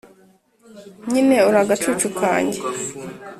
nyine uri agacucu kanjye